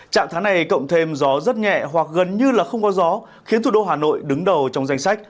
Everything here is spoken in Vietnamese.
trạng thái này cộng thêm gió rất nhẹ hoặc gần như là không có gió khiến thủ đô hà nội đứng đầu trong danh sách